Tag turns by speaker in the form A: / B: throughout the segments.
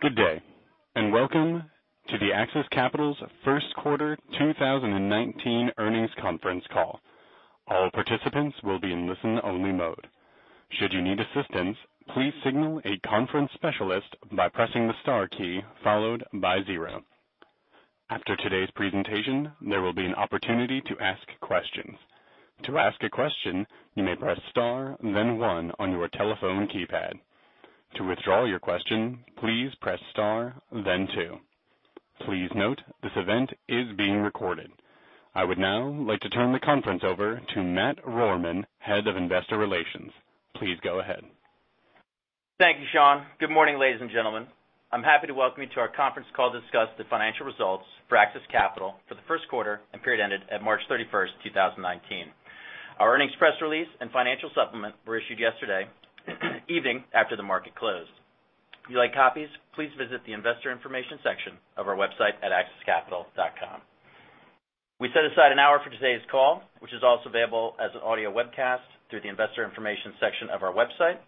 A: Good day, and welcome to the AXIS Capital's first quarter 2019 earnings conference call. All participants will be in listen-only mode. Should you need assistance, please signal a conference specialist by pressing the star key followed by zero. After today's presentation, there will be an opportunity to ask questions. To ask a question, you may press star then one on your telephone keypad. To withdraw your question, please press star then two. Please note, this event is being recorded. I would now like to turn the conference over to Matt Rohrmann, Head of Investor Relations. Please go ahead.
B: Thank you, Sean. Good morning, ladies and gentlemen. I'm happy to welcome you to our conference call to discuss the financial results for AXIS Capital for the first quarter and period ended at March 31st, 2019. Our earnings press release and financial supplement were issued yesterday evening after the market closed. If you'd like copies, please visit the investor information section of our website at axiscapital.com. We set aside an hour for today's call, which is also available as an audio webcast through the investor information section of our website.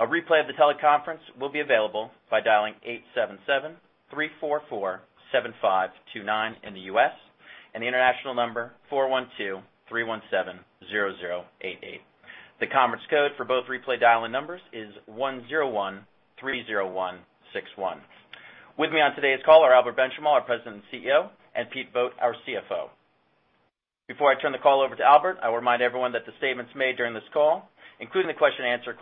B: A replay of the teleconference will be available by dialing 877-344-7529 in the U.S., and the international number, 412-317-0088. The conference code for both replay dial-in numbers is 10130161. With me on today's call are Albert Benchimol, our President and CEO, and Pete Vogt, our CFO. Before I turn the call over to Albert, I will remind everyone that the statements made during this call, including the question and answer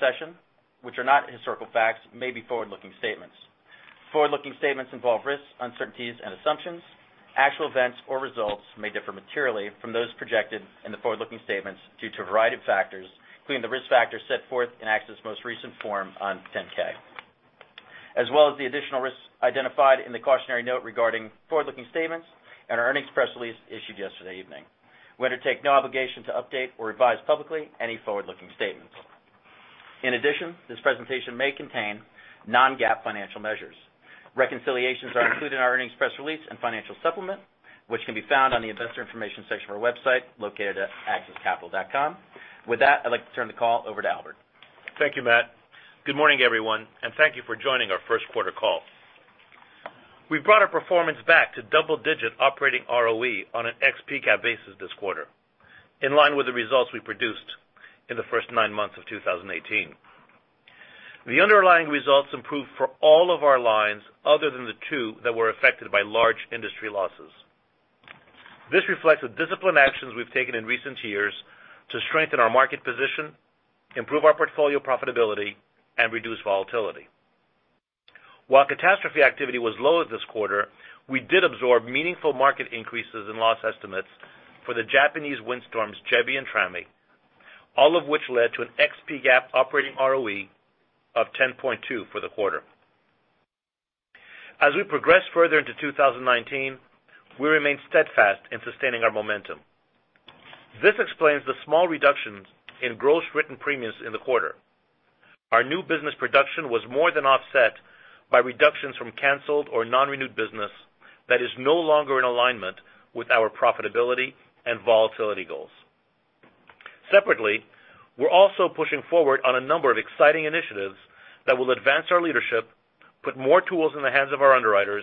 B: session, which are not historical facts, may be forward-looking statements. Forward-looking statements involve risks, uncertainties, and assumptions. Actual events or results may differ materially from those projected in the forward-looking statements due to a variety of factors, including the risk factors set forth in AXIS' most recent Form 10-K, as well as the additional risks identified in the cautionary note regarding forward-looking statements and our earnings press release issued yesterday evening. We undertake no obligation to update or revise publicly any forward-looking statements. In addition, this presentation may contain non-GAAP financial measures. Reconciliations are included in our earnings press release and financial supplement, which can be found on the investor information section of our website located at axiscapital.com. With that, I'd like to turn the call over to Albert.
C: Thank you, Matt. Good morning, everyone, and thank you for joining our first quarter call. We've brought our performance back to double-digit operating ROE on an ex-PCAT basis this quarter, in line with the results we produced in the first nine months of 2018. The underlying results improved for all of our lines other than the two that were affected by large industry losses. This reflects the disciplined actions we've taken in recent years to strengthen our market position, improve our portfolio profitability, and reduce volatility. While catastrophe activity was low this quarter, we did absorb meaningful market increases in loss estimates for the Japanese windstorms Jebi and Trami, all of which led to an ex-PGAP operating ROE of 10.2 for the quarter. As we progress further into 2019, we remain steadfast in sustaining our momentum. This explains the small reductions in gross written premiums in the quarter. Our new business production was more than offset by reductions from canceled or non-renewed business that is no longer in alignment with our profitability and volatility goals. Separately, we're also pushing forward on a number of exciting initiatives that will advance our leadership, put more tools in the hands of our underwriters,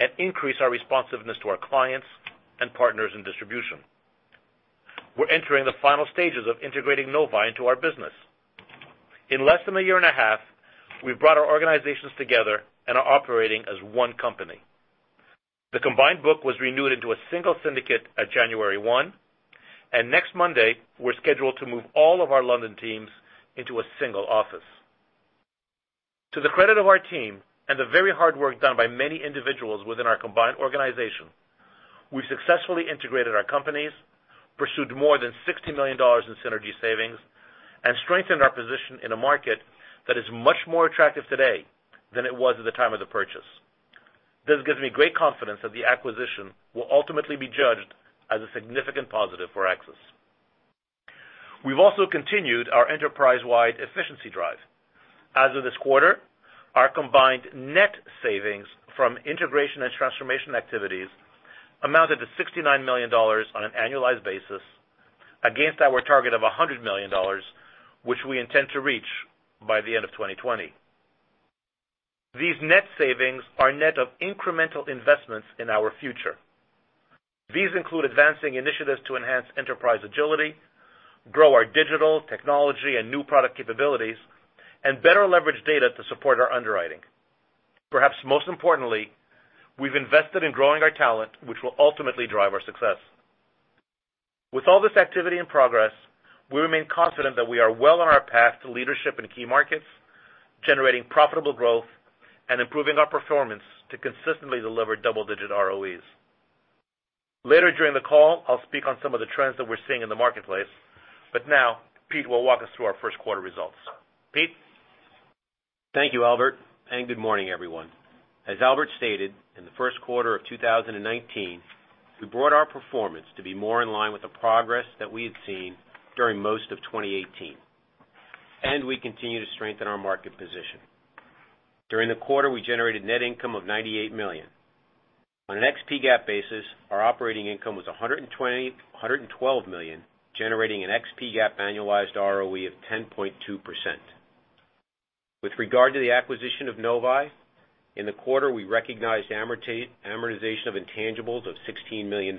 C: and increase our responsiveness to our clients and partners in distribution. We're entering the final stages of integrating Novae into our business. In less than a year and a half, we've brought our organizations together and are operating as one company. The combined book was renewed into a single syndicate at January one, and next Monday, we're scheduled to move all of our London teams into a single office. To the credit of our team and the very hard work done by many individuals within our combined organization, we've successfully integrated our companies, pursued more than $60 million in synergy savings, and strengthened our position in a market that is much more attractive today than it was at the time of the purchase. This gives me great confidence that the acquisition will ultimately be judged as a significant positive for AXIS. We've also continued our enterprise-wide efficiency drive. As of this quarter, our combined net savings from integration and transformation activities amounted to $69 million on an annualized basis against our target of $100 million, which we intend to reach by the end of 2020. These net savings are net of incremental investments in our future. These include advancing initiatives to enhance enterprise agility, grow our digital technology and new product capabilities, and better leverage data to support our underwriting. Perhaps most importantly, we've invested in growing our talent, which will ultimately drive our success. With all this activity in progress, we remain confident that we are well on our path to leadership in key markets, generating profitable growth, and improving our performance to consistently deliver double-digit ROEs. Later during the call, I'll speak on some of the trends that we're seeing in the marketplace. Now, Pete will walk us through our first quarter results. Pete?
D: Thank you, Albert. Good morning, everyone. As Albert stated, in the first quarter of 2019, we brought our performance to be more in line with the progress that we had seen during most of 2018. We continue to strengthen our market position. During the quarter, we generated net income of $98 million On an ex PGAP basis, our operating income was $112 million, generating an ex PGAP annualized ROE of 10.2%. With regard to the acquisition of Novae, in the quarter, we recognized amortization of intangibles of $16 million,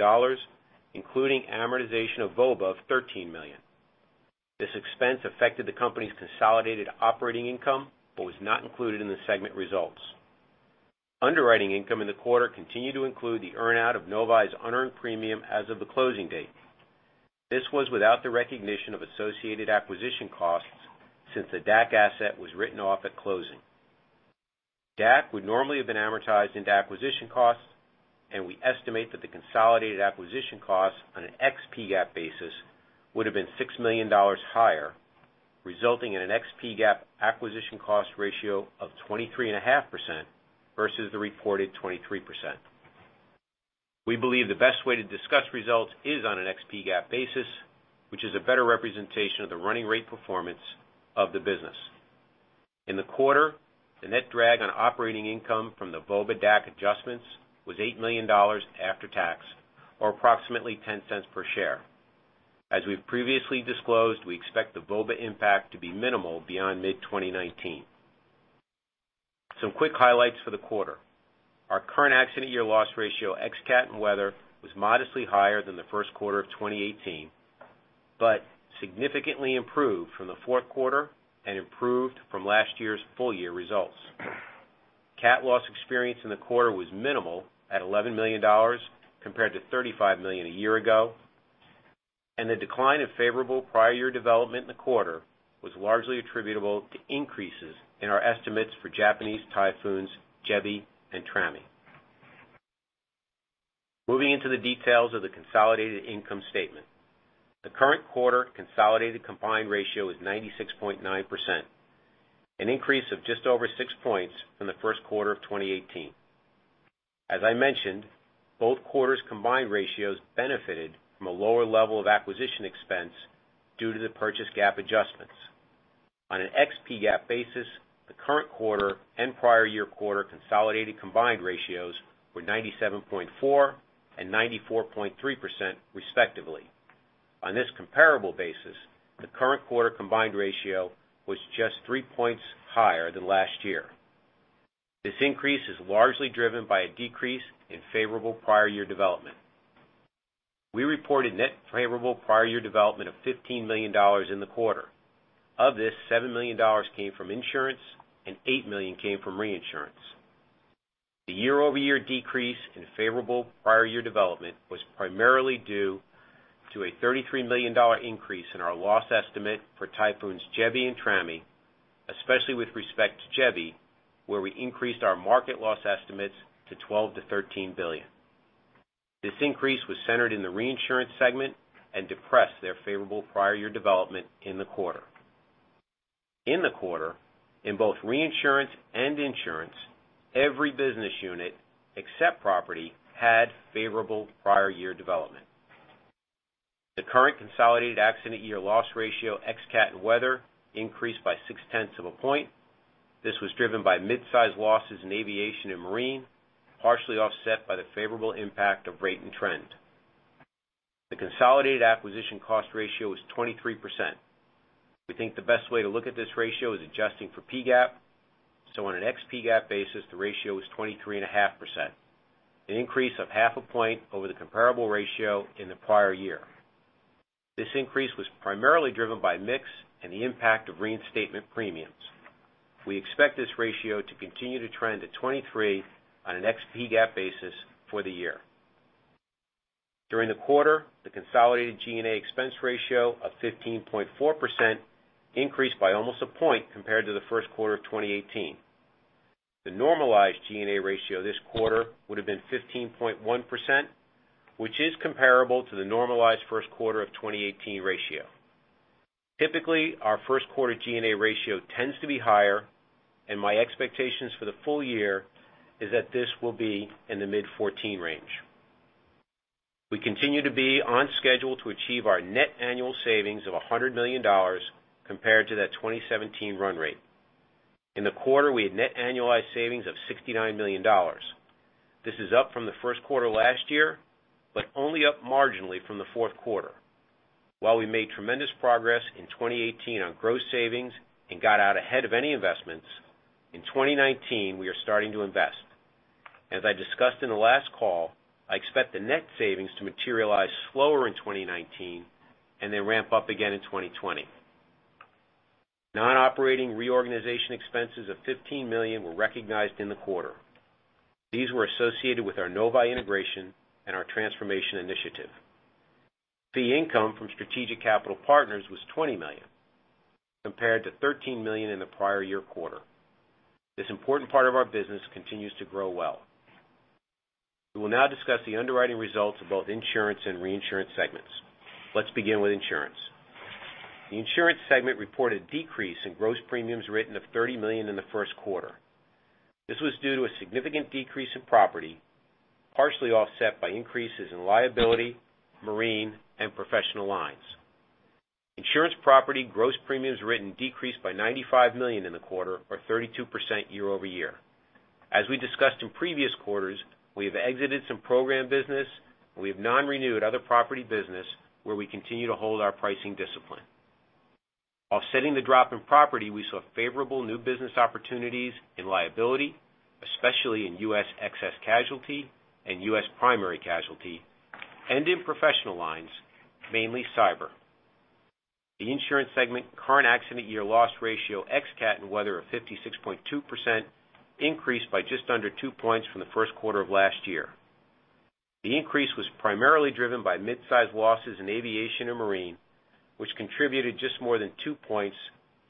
D: including amortization of VOBA of $13 million. This expense affected the company's consolidated operating income, but was not included in the segment results. Underwriting income in the quarter continued to include the earn-out of Novae's unearned premium as of the closing date. This was without the recognition of associated acquisition costs since the DAC asset was written off at closing. DAC would normally have been amortized into acquisition costs. We estimate that the consolidated acquisition costs on an ex PGAP basis would have been $6 million higher, resulting in an ex PGAP acquisition cost ratio of 23.5% versus the reported 23%. We believe the best way to discuss results is on an ex PGAP basis, which is a better representation of the running rate performance of the business. In the quarter, the net drag on operating income from the VOBA DAC adjustments was $8 million after tax, or approximately $0.10 per share. As we've previously disclosed, we expect the VOBA impact to be minimal beyond mid-2019. Some quick highlights for the quarter. Our current accident year loss ratio, ex CAT and weather, was modestly higher than the first quarter of 2018, but significantly improved from the fourth quarter and improved from last year's full year results. CAT loss experience in the quarter was minimal at $11 million compared to $35 million a year ago. The decline of favorable prior year development in the quarter was largely attributable to increases in our estimates for Japanese typhoons Jebi and Trami. Moving into the details of the consolidated income statement. The current quarter consolidated combined ratio is 96.9%, an increase of just over six points from the first quarter of 2018. As I mentioned, both quarters' combined ratios benefited from a lower level of acquisition expense due to the purchase PGAP adjustments. On an ex PGAP basis, the current quarter and prior year quarter consolidated combined ratios were 97.4% and 94.3% respectively. On this comparable basis, the current quarter combined ratio was just three points higher than last year. This increase is largely driven by a decrease in favorable prior year development. We reported net favorable prior year development of $15 million in the quarter. Of this, $7 million came from insurance and $8 million came from reinsurance. The year-over-year decrease in favorable prior year development was primarily due to a $33 million increase in our loss estimate for typhoons Jebi and Trami, especially with respect to Jebi, where we increased our market loss estimates to $12 billion-$13 billion. This increase was centered in the reinsurance segment and depressed their favorable prior year development in the quarter. In the quarter, in both reinsurance and insurance, every business unit except property had favorable prior year development. The current consolidated accident year loss ratio, ex CAT and weather, increased by six tenths of a point. This was driven by mid-size losses in aviation and marine, partially offset by the favorable impact of rate and trend. The consolidated acquisition cost ratio was 23%. We think the best way to look at this ratio is adjusting for PGAP. On an ex PGAP basis, the ratio is 23.5%, an increase of half a point over the comparable ratio in the prior year. This increase was primarily driven by mix and the impact of reinstatement premiums. We expect this ratio to continue to trend at 23 on an ex PGAP basis for the year. During the quarter, the consolidated G&A expense ratio of 15.4% increased by almost a point compared to the first quarter of 2018. The normalized G&A ratio this quarter would have been 15.1%, which is comparable to the normalized first quarter of 2018 ratio. Typically, our first quarter G&A ratio tends to be higher. My expectations for the full year is that this will be in the mid 14 range. We continue to be on schedule to achieve our net annual savings of $100 million compared to that 2017 run rate. In the quarter, we had net annualized savings of $69 million. This is up from the first quarter last year, but only up marginally from the fourth quarter. While we made tremendous progress in 2018 on gross savings and got out ahead of any investments, in 2019, we are starting to invest. As I discussed in the last call, I expect the net savings to materialize slower in 2019. They ramp up again in 2020. Non-operating reorganization expenses of $15 million were recognized in the quarter. These were associated with our Novae integration and our transformation initiative. Fee income from Strategic Capital Partners was $20 million compared to $13 million in the prior year quarter. This important part of our business continues to grow well. We will now discuss the underwriting results of both insurance and reinsurance segments. Let's begin with insurance. The insurance segment reported decrease in gross premiums written of $30 million in the first quarter. This was due to a significant decrease in property, partially offset by increases in liability, marine, and professional lines. Insurance property gross premiums written decreased by $95 million in the quarter, or 32% year-over-year. As we discussed in previous quarters, we have exited some program business. We have non-renewed other property business where we continue to hold our pricing discipline. While setting the drop in property, we saw favorable new business opportunities in liability, especially in U.S. excess casualty and U.S. primary casualty, and in professional lines, mainly cyber. The insurance segment current accident year loss ratio ex CAT and weather of 56.2% increased by just under two points from the first quarter of last year. The increase was primarily driven by mid-size losses in aviation and marine, which contributed just more than two points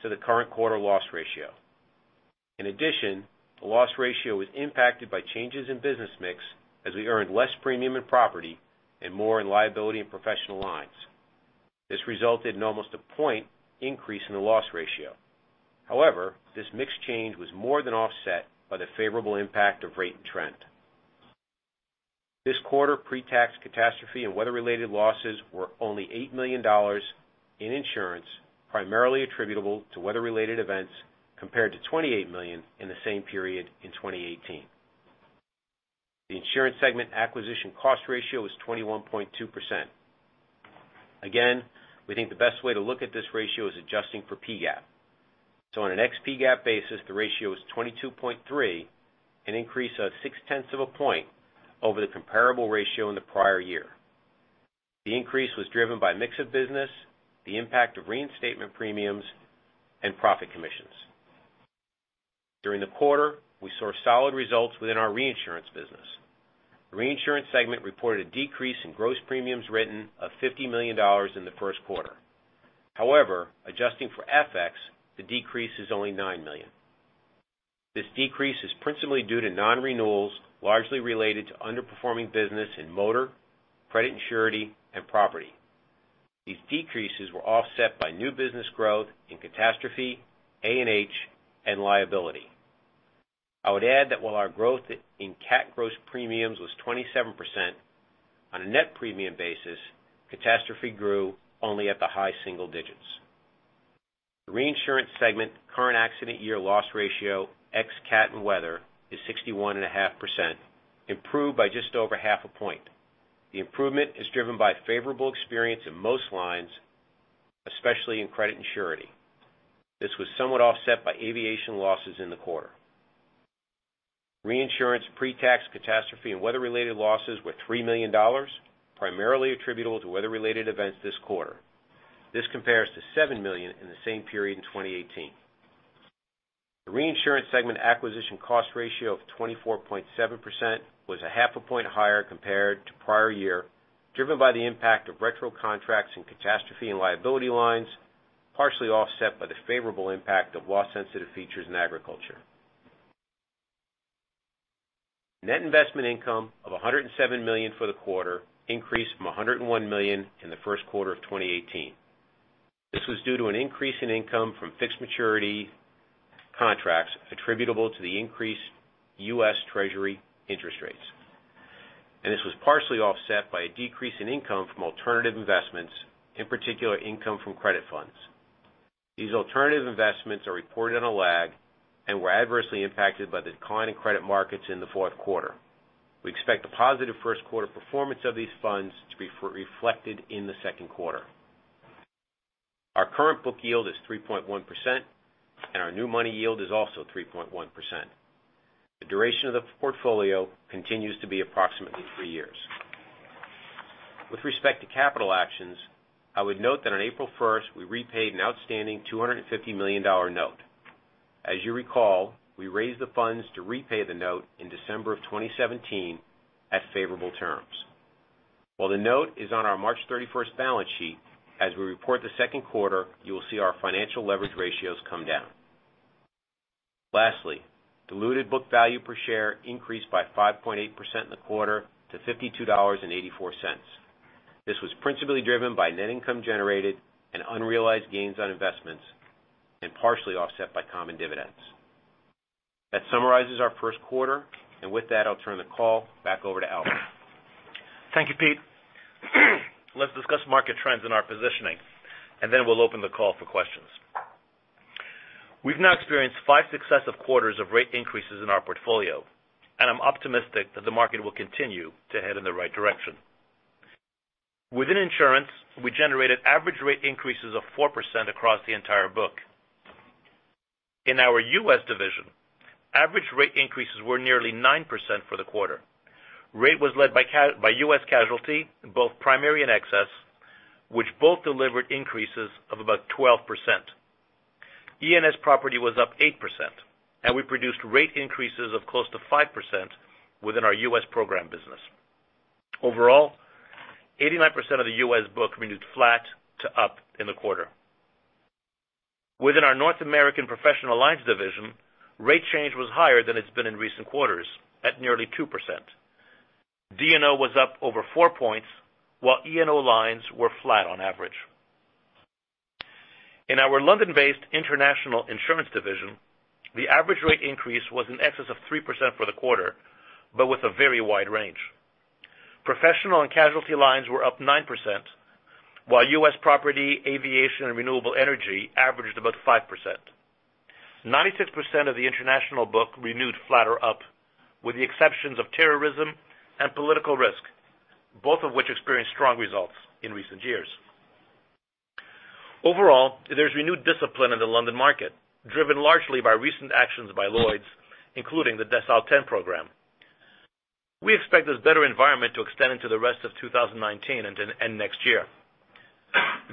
D: to the current quarter loss ratio. In addition, the loss ratio was impacted by changes in business mix as we earned less premium in property and more in liability and professional lines. This resulted in almost a point increase in the loss ratio. However, this mix change was more than offset by the favorable impact of rate and trend. This quarter, pre-tax catastrophe and weather-related losses were only $8 million in insurance, primarily attributable to weather-related events, compared to $28 million in the same period in 2018. The insurance segment acquisition cost ratio was 21.2%. Again, we think the best way to look at this ratio is adjusting for PGAP. On an ex PGAP basis, the ratio is 22.3%, an increase of six tenths of a point over the comparable ratio in the prior year. The increase was driven by mix of business, the impact of reinstatement premiums, and profit commissions. During the quarter, we saw solid results within our reinsurance business. The reinsurance segment reported a decrease in gross premiums written of $50 million in the first quarter. However, adjusting for FX, the decrease is only $9 million. This decrease is principally due to non-renewals, largely related to underperforming business in motor, credit and surety, and property. These decreases were offset by new business growth in catastrophe, A&H, and liability. I would add that while our growth in cat gross premiums was 27%, on a net premium basis, catastrophe grew only at the high single digits. The reinsurance segment current accident year loss ratio, ex cat and weather, is 61.5%, improved by just over half a point. The improvement is driven by favorable experience in most lines, especially in credit and surety. This was somewhat offset by aviation losses in the quarter. Reinsurance pre-tax catastrophe and weather-related losses were $3 million, primarily attributable to weather-related events this quarter. This compares to $7 million in the same period in 2018. The reinsurance segment acquisition cost ratio of 24.7% was a half a point higher compared to prior year, driven by the impact of retro contracts and catastrophe and liability lines, partially offset by the favorable impact of loss-sensitive features in agriculture. Net investment income of $107 million for the quarter increased from $101 million in the first quarter of 2018. This was due to an increase in income from fixed maturity contracts attributable to the increased U.S. Treasury interest rates. This was partially offset by a decrease in income from alternative investments, in particular, income from credit funds. These alternative investments are reported on a lag and were adversely impacted by the decline in credit markets in the fourth quarter. We expect the positive first quarter performance of these funds to be reflected in the second quarter. Our current book yield is 3.1%, and our new money yield is also 3.1%. The duration of the portfolio continues to be approximately three years. With respect to capital actions, I would note that on April 1st, we repaid an outstanding $250 million note. As you recall, we raised the funds to repay the note in December of 2017 at favorable terms. While the note is on our March 31st balance sheet, as we report the second quarter, you will see our financial leverage ratios come down. Lastly, diluted book value per share increased by 5.8% in the quarter to $52.84. This was principally driven by net income generated and unrealized gains on investments, and partially offset by common dividends. That summarizes our first quarter. With that, I'll turn the call back over to Albert.
C: Thank you, Pete. Let's discuss market trends and our positioning. Then we'll open the call for questions. We've now experienced five successive quarters of rate increases in our portfolio. I'm optimistic that the market will continue to head in the right direction. Within insurance, we generated average rate increases of 4% across the entire book. In our U.S. division, average rate increases were nearly 9% for the quarter. Rate was led by U.S. casualty, both primary and excess, which both delivered increases of about 12%. E&S property was up 8%, and we produced rate increases of close to 5% within our U.S. program business. Overall, 89% of the U.S. book renewed flat to up in the quarter. Within our North American professional lines division, rate change was higher than it's been in recent quarters at nearly 2%. D&O was up over four points, while E&O lines were flat on average. In our London-based international insurance division, the average rate increase was in excess of 3% for the quarter, but with a very wide range. Professional and casualty lines were up 9%, while U.S. property, aviation, and renewable energy averaged about 5%. 96% of the international book renewed flat or up, with the exceptions of terrorism and political risk, both of which experienced strong results in recent years. Overall, there's renewed discipline in the London market, driven largely by recent actions by Lloyd's, including the Decile 10 program. We expect this better environment to extend into the rest of 2019 and next year.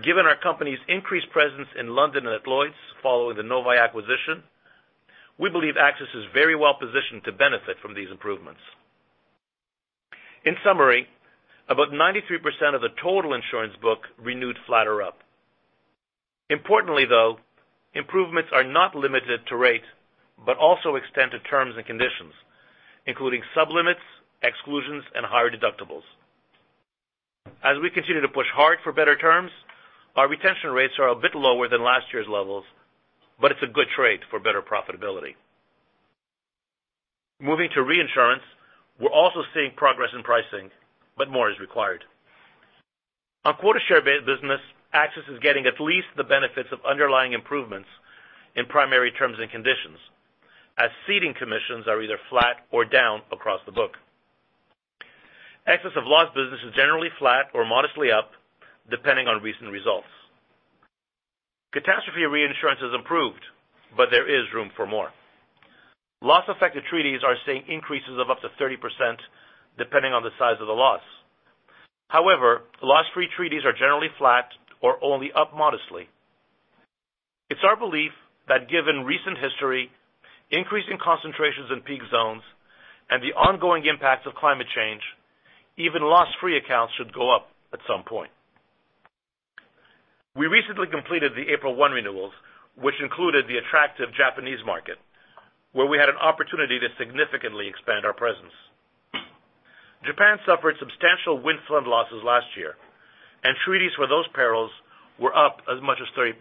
C: Given our company's increased presence in London and at Lloyd's following the Novae acquisition, we believe AXIS is very well-positioned to benefit from these improvements. In summary, about 93% of the total insurance book renewed flat or up. Importantly, though, improvements are not limited to rate, but also extend to terms and conditions, including sub-limits, exclusions, and higher deductibles. As we continue to push hard for better terms, our retention rates are a bit lower than last year's levels, but it's a good trade for better profitability. Moving to reinsurance, we're also seeing progress in pricing, but more is required. On quota share business, AXIS is getting at least the benefits of underlying improvements in primary terms and conditions, as ceding commissions are either flat or down across the book. Excess of loss business is generally flat or modestly up, depending on recent results. Catastrophe reinsurance has improved, but there is room for more. Loss-affected treaties are seeing increases of up to 30%, depending on the size of the loss. However, loss-free treaties are generally flat or only up modestly. It's our belief that given recent history, increasing concentrations in peak zones, and the ongoing impacts of climate change, even loss-free accounts should go up at some point. We recently completed the April 1 renewals, which included the attractive Japanese market, where we had an opportunity to significantly expand our presence. Japan suffered substantial wind-flood losses last year, and treaties for those perils were up as much as 30%.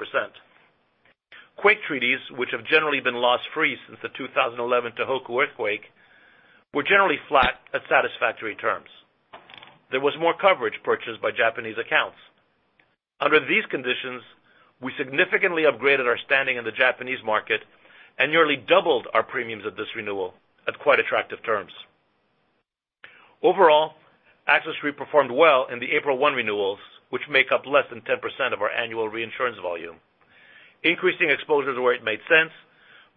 C: Quake treaties, which have generally been loss-free since the 2011 Tohoku earthquake, were generally flat at satisfactory terms. There was more coverage purchased by Japanese accounts. Under these conditions, we significantly upgraded our standing in the Japanese market and nearly doubled our premiums at this renewal at quite attractive terms. Overall, AXIS reperformed well in the April 1 renewals, which make up less than 10% of our annual reinsurance volume, increasing exposures where it made sense,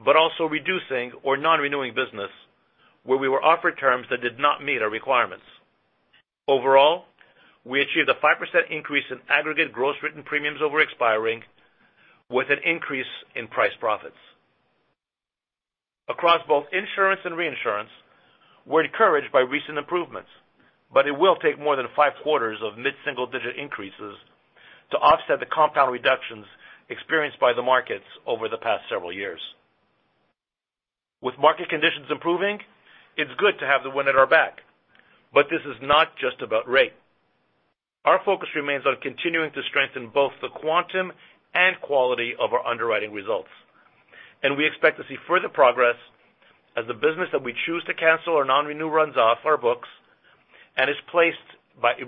C: but also reducing or non-renewing business where we were offered terms that did not meet our requirements. Overall, we achieved a 5% increase in aggregate gross written premiums over expiring, with an increase in price profits. Across both insurance and reinsurance, we're encouraged by recent improvements, but it will take more than five quarters of mid-single-digit increases to offset the compound reductions experienced by the markets over the past several years. With market conditions improving, it's good to have the wind at our back, but this is not just about rate. Our focus remains on continuing to strengthen both the quantum and quality of our underwriting results, and we expect to see further progress as the business that we choose to cancel or non-renew runs off our books and is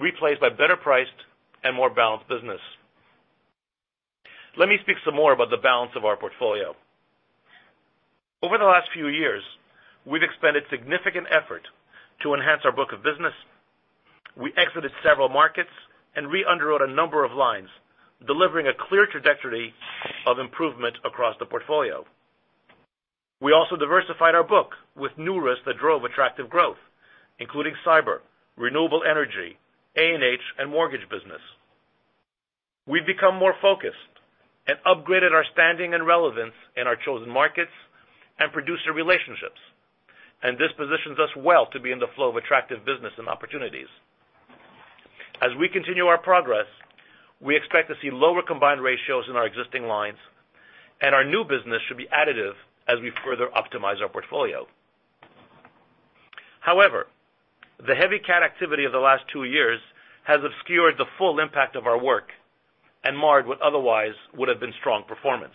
C: replaced by better-priced and more balanced business. Let me speak some more about the balance of our portfolio. Over the last few years, we've expended significant effort to enhance our book of business. We exited several markets and re-underwrote a number of lines, delivering a clear trajectory of improvement across the portfolio. We also diversified our book with new risks that drove attractive growth, including cyber, renewable energy, A&H, and mortgage business. We've become more focused and upgraded our standing and relevance in our chosen markets and producer relationships, and this positions us well to be in the flow of attractive business and opportunities. As we continue our progress, we expect to see lower combined ratios in our existing lines, and our new business should be additive as we further optimize our portfolio. However, the heavy CAT activity of the last two years has obscured the full impact of our work and marred what otherwise would have been strong performance.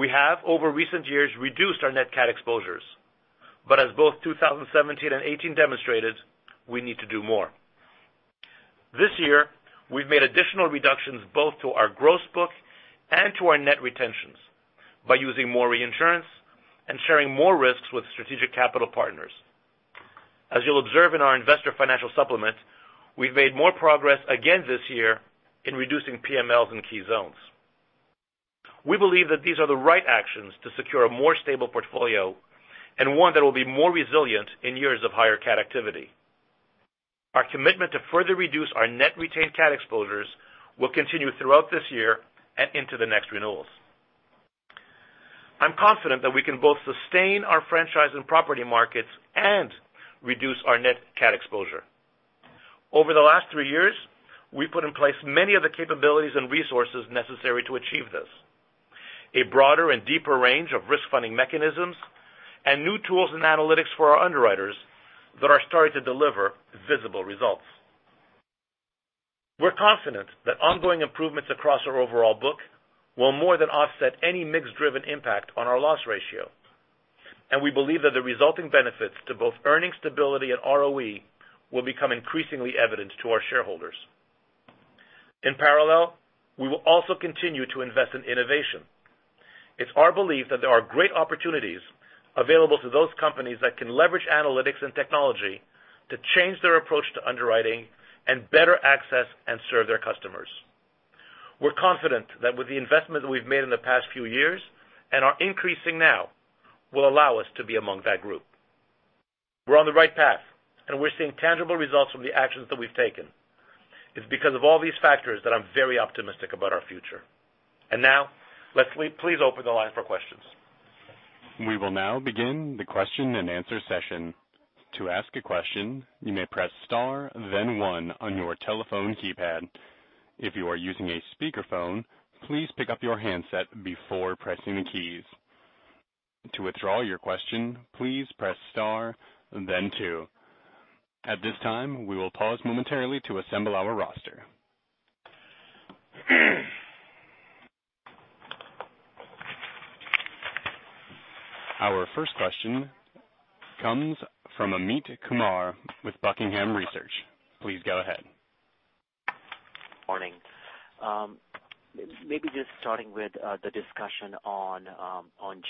C: We have, over recent years, reduced our net CAT exposures, but as both 2017 and 2018 demonstrated, we need to do more. This year, we've made additional reductions both to our gross book and to our net retentions by using more reinsurance and sharing more risks with Strategic Capital Partners. As you'll observe in our investor financial supplement, we've made more progress again this year in reducing PMLs in key zones. We believe that these are the right actions to secure a more stable portfolio and one that will be more resilient in years of higher CAT activity. Our commitment to further reduce our net retained CAT exposures will continue throughout this year and into the next renewals. I'm confident that we can both sustain our franchise and property markets and reduce our net CAT exposure. Over the last three years, we've put in place many of the capabilities and resources necessary to achieve this. A broader and deeper range of risk funding mechanisms and new tools and analytics for our underwriters that are starting to deliver visible results. We're confident that ongoing improvements across our overall book will more than offset any mix-driven impact on our loss ratio. We believe that the resulting benefits to both earning stability and ROE will become increasingly evident to our shareholders. In parallel, we will also continue to invest in innovation. It's our belief that there are great opportunities available to those companies that can leverage analytics and technology to change their approach to underwriting and better access and serve their customers. We're confident that with the investment that we've made in the past few years and are increasing now, will allow us to be among that group. We're on the right path, we're seeing tangible results from the actions that we've taken. It's because of all these factors that I'm very optimistic about our future. Now, let's please open the line for questions.
A: We will now begin the question and answer session. To ask a question, you may press star, then one on your telephone keypad. If you are using a speakerphone, please pick up your handset before pressing the keys. To withdraw your question, please press star, then two. At this time, we will pause momentarily to assemble our roster. Our first question comes from Amit Kumar with Buckingham Research. Please go ahead.
E: Morning. Maybe just starting with the discussion on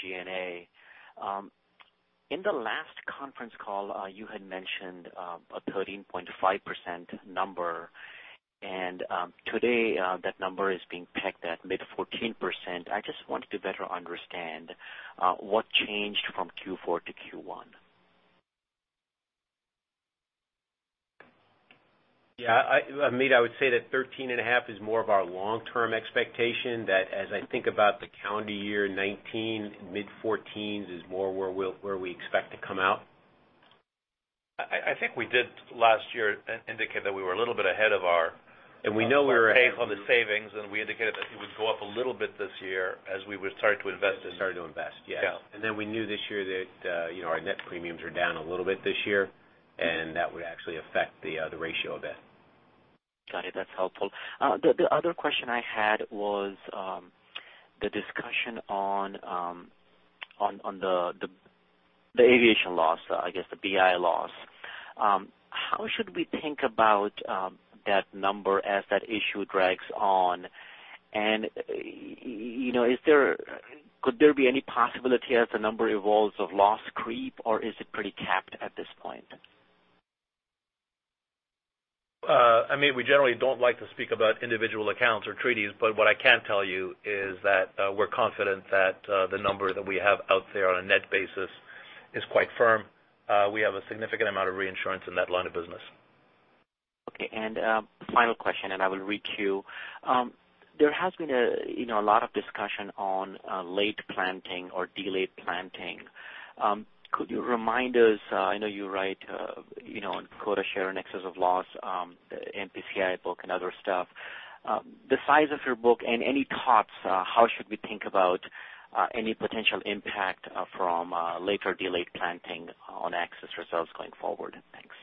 E: G&A. In the last conference call, you had mentioned a 13.5% number, today that number is being pegged at mid 14%. I just wanted to better understand what changed from Q4 to Q1.
D: Amit, I would say that 13 and a half is more of our long-term expectation that as I think about the calendar year 2019, mid fourteens is more where we expect to come out.
C: I think we did last year indicate that we were a little bit ahead.
D: We know we were ahead.
C: On the savings, we indicated that it would go up a little bit this year as we would start to invest.
D: Start to invest. Yes.
C: Yeah.
D: We knew this year that our net premiums are down a little bit this year, and that would actually affect the ratio a bit.
E: Got it. That's helpful. The other question I had was, the discussion on the aviation loss. I guess the BI loss. How should we think about that number as that issue drags on? Could there be any possibility as the number evolves of loss creep or is it pretty capped at this point?
C: Amit, we generally don't like to speak about individual accounts or treaties, but what I can tell you is that we're confident that the number that we have out there on a net basis is quite firm. We have a significant amount of reinsurance in that line of business.
E: Final question, I will re-queue. There has been a lot of discussion on late planting or delayed planting. Could you remind us, I know you write, in quota share and excess of loss, the MPCI book and other stuff, the size of your book and any thoughts how should we think about any potential impact from late or delayed planting on excess of loss going forward? Thanks.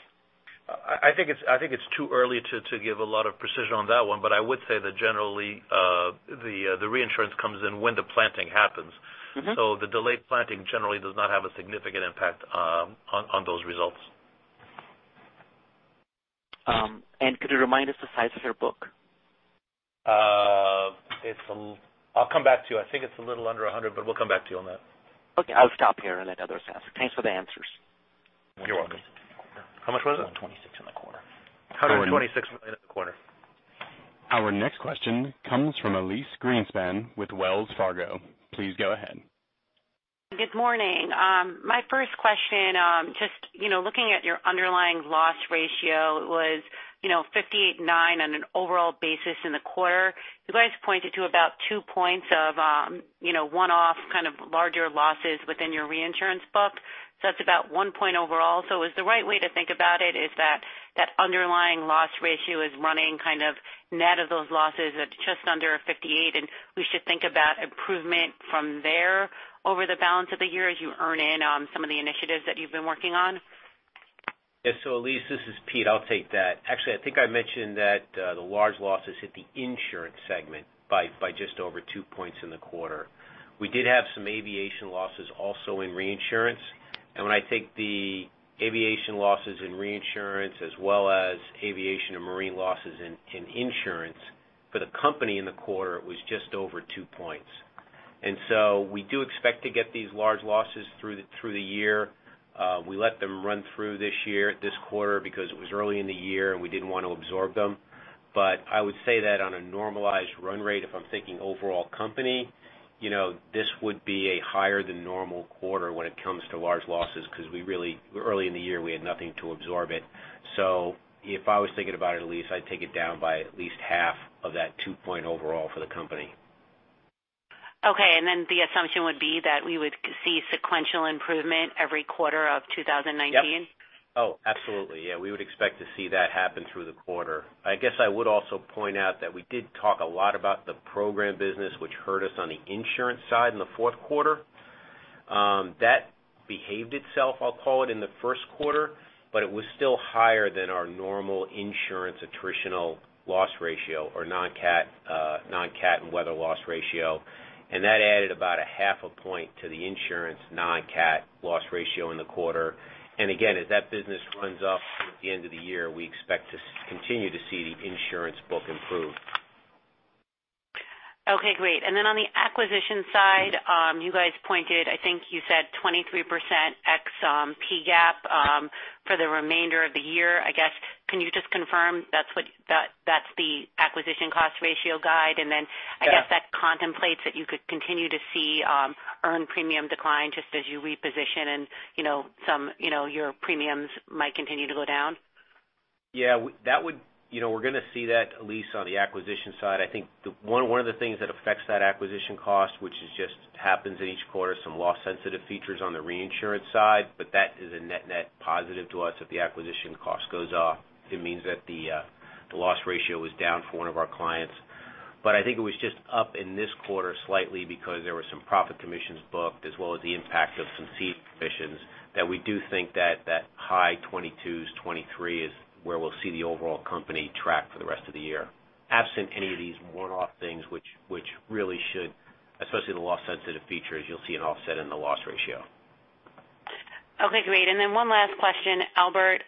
C: I think it's too early to give a lot of precision on that one, but I would say that generally, the reinsurance comes in when the planting happens. The delayed planting generally does not have a significant impact on those results.
E: Could you remind us the size of your book?
C: I'll come back to you. I think it's a little under $100. We'll come back to you on that.
E: Okay. I'll stop here and let others ask. Thanks for the answers.
C: You're welcome.
D: How much was it?
E: $126 in the quarter.
C: $126 million in the quarter.
A: Our next question comes from Elyse Greenspan with Wells Fargo. Please go ahead.
F: Good morning. My first question, just looking at your underlying loss ratio was 58.9% on an overall basis in the quarter. You guys pointed to about two points of one-off kind of larger losses within your reinsurance book. That's about one point overall. Is the right way to think about it is that underlying loss ratio is running kind of net of those losses at just under 58%, and we should think about improvement from there over the balance of the year as you earn in on some of the initiatives that you've been working on?
D: Yeah. Elyse, this is Pete. I'll take that. Actually, I think I mentioned that the large losses hit the insurance segment by just over 2 points in the quarter. We did have some aviation losses also in reinsurance. When I take the aviation losses in reinsurance as well as aviation and marine losses in insurance, for the company in the quarter, it was just over 2 points. We do expect to get these large losses through the year. We let them run through this year, this quarter, because it was early in the year, and we didn't want to absorb them. I would say that on a normalized run rate, if I'm thinking overall company, this would be a higher than normal quarter when it comes to large losses because we really, early in the year, we had nothing to absorb it. If I was thinking about it, Elyse, I'd take it down by at least half of that 2-point overall for the company.
F: Okay. The assumption would be that we would see sequential improvement every quarter of 2019?
D: Yep. Oh, absolutely. Yeah. We would expect to see that happen through the quarter. I guess I would also point out that we did talk a lot about the program business, which hurt us on the insurance side in the fourth quarter. That behaved itself, I'll call it, in the first quarter, but it was still higher than our normal insurance attritional loss ratio or non-cat and weather loss ratio. That added about a half a point to the insurance non-cat loss ratio in the quarter. Again, as that business runs up through the end of the year, we expect to continue to see the insurance book improve.
F: Okay, great. On the acquisition side, you guys pointed, I think you said 23% x PGAP for the remainder of the year. I guess, can you just confirm that's the acquisition cost ratio guide? I guess that contemplates that you could continue to see earned premium decline just as you reposition and your premiums might continue to go down.
D: Yeah, we're going to see that, Elyse, on the acquisition side. I think one of the things that affects that acquisition cost, which just happens in each quarter, some loss-sensitive features on the reinsurance side, but that is a net-net positive to us. If the acquisition cost goes off, it means that the loss ratio is down for one of our clients. I think it was just up in this quarter slightly because there were some profit commissions booked, as well as the impact of some ceding commissions, that we do think that high 22s, 23 is where we'll see the overall company track for the rest of the year. Absent any of these one-off things which really should, especially the loss-sensitive features, you'll see an offset in the loss ratio.
F: Okay, great. One last question, Albert.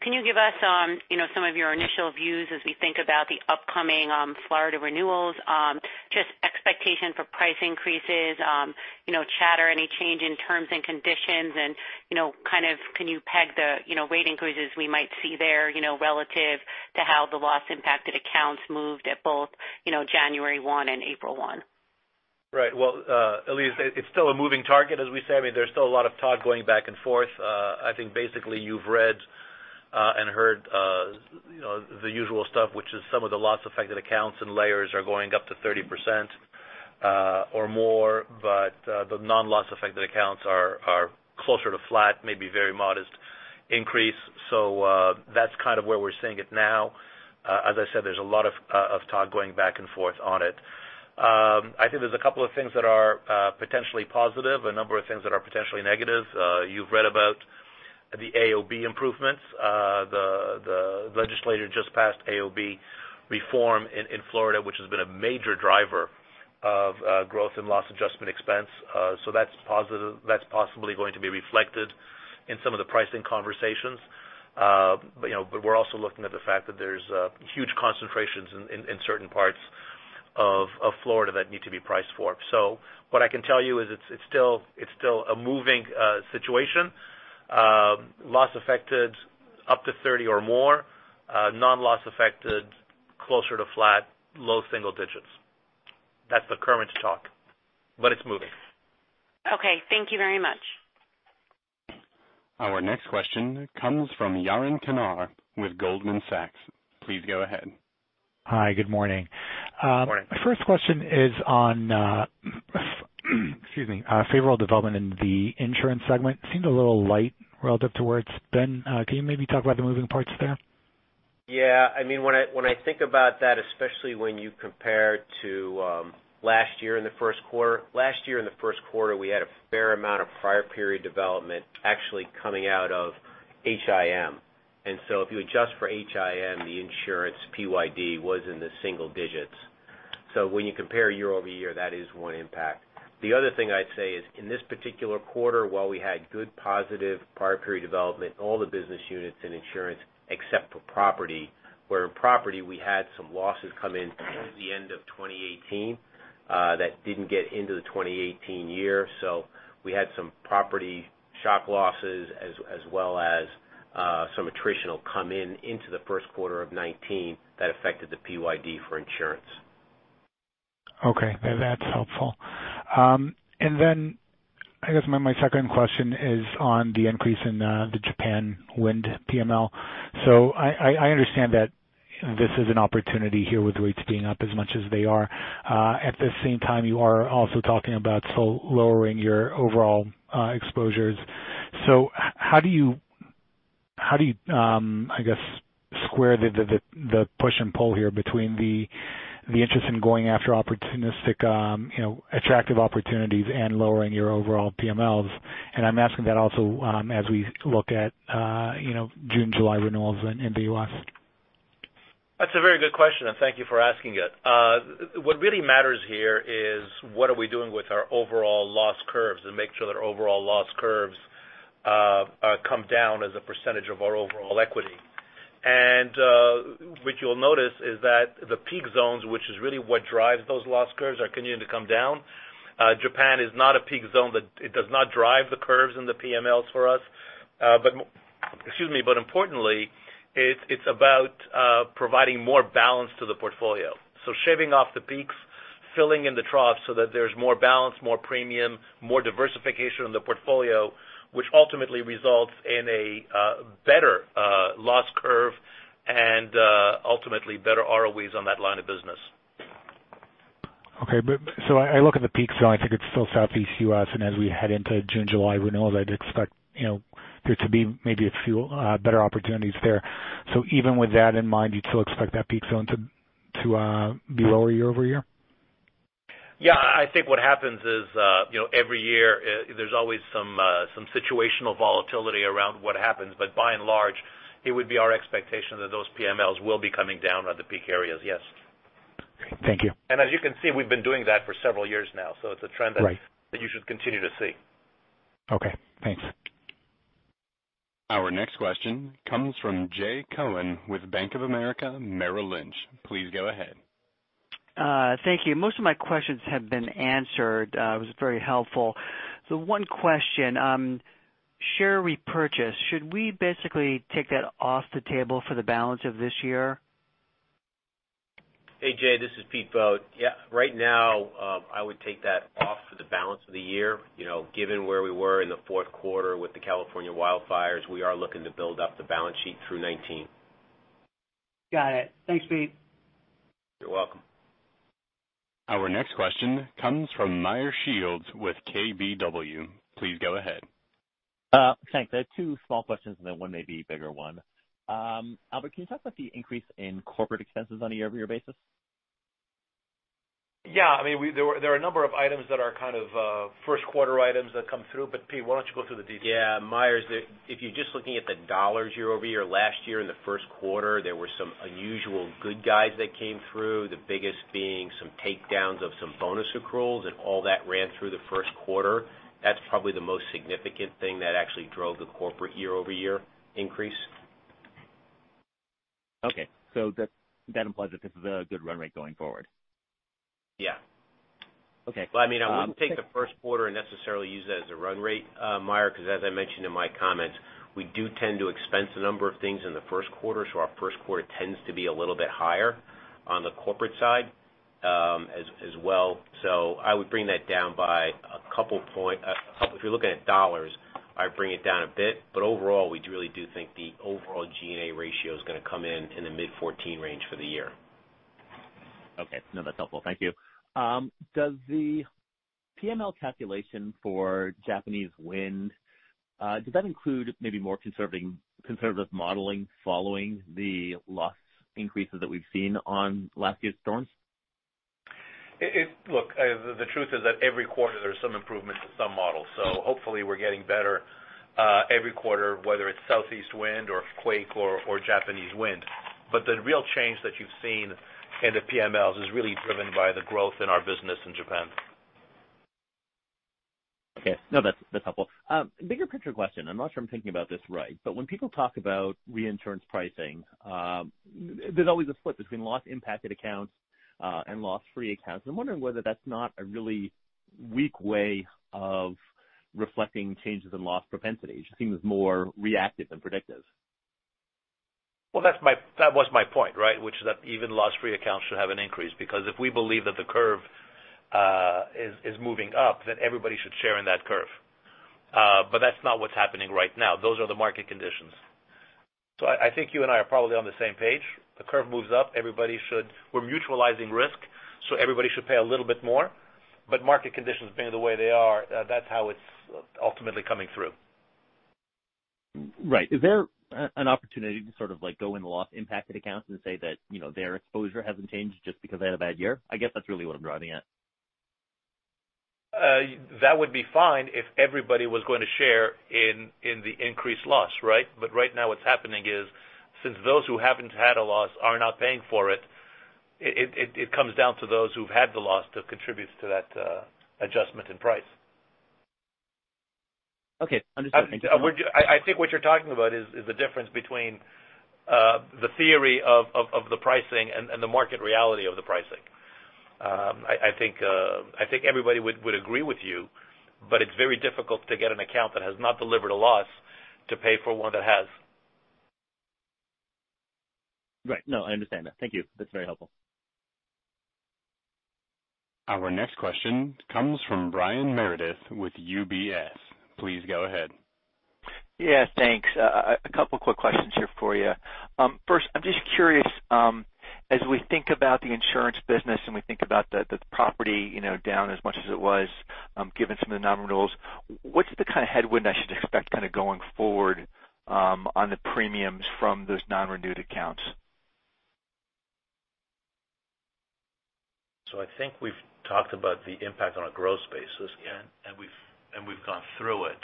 F: Can you give us some of your initial views as we think about the upcoming Florida renewals? Just expectation for price increases, chatter, any change in terms and conditions, and can you peg the rate increases we might see there, relative to how the loss-impacted accounts moved at both January one and April one?
C: Right. Well, Elyse, it's still a moving target, as we say. There's still a lot of talk going back and forth. I think basically you've read and heard the usual stuff, which is some of the loss-affected accounts and layers are going up to 30% or more, the non-loss-affected accounts are closer to flat, maybe very modest increase. That's kind of where we're seeing it now. As I said, there's a lot of talk going back and forth on it. I think there's a couple of things that are potentially positive, a number of things that are potentially negative. You've read about the AOB improvements. The legislature just passed AOB reform in Florida, which has been a major driver of growth in loss adjustment expense. That's possibly going to be reflected in some of the pricing conversations. We're also looking at the fact that there's huge concentrations in certain parts of Florida that need to be priced for. What I can tell you is it's still a moving situation. Loss affected up to 30 or more, non-loss affected closer to flat, low single digits. That's the current talk, but it's moving.
F: Okay, thank you very much.
A: Our next question comes from Yaron Kinar with Goldman Sachs. Please go ahead.
G: Hi, good morning.
D: Morning.
G: My first question is on excuse me, favorable development in the insurance segment. Seemed a little light relative to where it's been. Can you maybe talk about the moving parts there?
D: Yeah. When I think about that, especially when you compare to last year in the first quarter, we had a fair amount of prior period development actually coming out of HIM. If you adjust for HIM, the insurance PYD was in the single digits. When you compare year-over-year, that is one impact. The other thing I'd say is in this particular quarter, while we had good positive prior period development, all the business units in insurance except for property, where in property we had some losses come in at the end of 2018 that didn't get into the 2018 year. We had some property shock losses as well as some attritional come in into the first quarter of 2019 that affected the PYD for insurance.
G: Okay, that's helpful. I guess my second question is on the increase in the Japan wind PML. I understand that this is an opportunity here with rates being up as much as they are. At the same time, you are also talking about lowering your overall exposures. How do you, I guess, square the push and pull here between the interest in going after attractive opportunities and lowering your overall PMLs? I'm asking that also as we look at June, July renewals in the U.S.
C: That's a very good question, thank you for asking it. What really matters here is what are we doing with our overall loss curves and make sure that our overall loss curves come down as a percentage of our overall equity. What you'll notice is that the peak zones, which is really what drives those loss curves, are continuing to come down. Japan is not a peak zone. It does not drive the curves in the PMLs for us. Importantly, it's about providing more balance to the portfolio. Shaving off the peaks, filling in the troughs so that there's more balance, more premium, more diversification in the portfolio, which ultimately results in a better loss curve and ultimately better ROEs on that line of business.
G: Okay, I look at the peak zone, I think it's still Southeast U.S., as we head into June, July renewals, I'd expect there to be maybe a few better opportunities there. Even with that in mind, you'd still expect that peak zone to
C: To be lower year-over-year? Yeah. I think what happens is every year there's always some situational volatility around what happens. By and large, it would be our expectation that those PMLs will be coming down on the peak areas, yes. Okay. Thank you. As you can see, we've been doing that for several years now, so it's a trend that you should continue to see. Right. Okay. Thanks.
A: Our next question comes from Jay Cohen with Bank of America Merrill Lynch. Please go ahead.
H: Thank you. Most of my questions have been answered. It was very helpful. One question, share repurchase, should we basically take that off the table for the balance of this year?
D: Hey, Jay, this is Pete Vogt. Yeah. Right now, I would take that off for the balance of the year. Given where we were in the fourth quarter with the California wildfires, we are looking to build up the balance sheet through 2019.
H: Got it. Thanks, Pete.
D: You're welcome.
A: Our next question comes from Meyer Shields with KBW. Please go ahead.
I: Thanks. There are two small questions and then one maybe bigger one. Albert, can you talk about the increase in corporate expenses on a year-over-year basis?
D: Yeah. There are a number of items that are first quarter items that come through. Pete, why don't you go through the details? Yeah. Meyer, if you're just looking at the dollars year-over-year, last year in the first quarter, there were some unusual good guys that came through, the biggest being some takedowns of some bonus accruals and all that ran through the first quarter. That's probably the most significant thing that actually drove the corporate year-over-year increase.
I: Okay. That implies that this is a good run rate going forward.
D: Yeah.
I: Okay.
D: Well, I wouldn't take the first quarter and necessarily use that as a run rate, Meyer, because as I mentioned in my comments, we do tend to expense a number of things in the first quarter. Our first quarter tends to be a little bit higher on the corporate side as well. I would bring that down by a couple point. If you're looking at dollars, I'd bring it down a bit. Overall, we really do think the overall G&A ratio is going to come in in the mid 14 range for the year.
I: Okay. No, that's helpful. Thank you. Does the PML calculation for Japanese wind, does that include maybe more conservative modeling following the loss increases that we've seen on last year's storms?
D: Look, the truth is that every quarter there's some improvements to some models. Hopefully we're getting better every quarter, whether it's southeast wind or quake or Japanese wind. The real change that you've seen in the PMLs is really driven by the growth in our business in Japan.
I: Okay. No, that's helpful. Bigger picture question. I'm not sure I'm thinking about this right, when people talk about reinsurance pricing, there's always a split between loss-impacted accounts and loss-free accounts, I'm wondering whether that's not a really weak way of reflecting changes in loss propensities. It seems more reactive than predictive.
C: Well, that was my point, right? Which is that even loss-free accounts should have an increase because if we believe that the curve is moving up, everybody should share in that curve. That's not what's happening right now. Those are the market conditions. I think you and I are probably on the same page. The curve moves up, we're mutualizing risk, everybody should pay a little bit more. Market conditions being the way they are, that's how it's ultimately coming through.
I: Right. Is there an opportunity to go in loss-impacted accounts and say that their exposure hasn't changed just because they had a bad year? I guess that's really what I'm driving at.
C: Right now, what's happening is since those who haven't had a loss are not paying for it comes down to those who've had the loss that contributes to that adjustment in price.
I: Okay. Understood. Thank you.
C: I think what you're talking about is the difference between the theory of the pricing and the market reality of the pricing. I think everybody would agree with you, it's very difficult to get an account that has not delivered a loss to pay for one that has.
I: Right. No, I understand that. Thank you. That's very helpful.
A: Our next question comes from Brian Meredith with UBS. Please go ahead.
J: Yeah, thanks. A couple quick questions here for you. First, I'm just curious, as we think about the insurance business and we think about the property down as much as it was, given some of the non-renewals, what's the kind of headwind I should expect going forward on the premiums from those non-renewed accounts?
C: I think we've talked about the impact on a growth basis. Yeah. We've gone through it.